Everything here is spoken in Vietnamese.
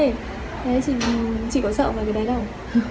thế thì chị có sợ phải cái đấy không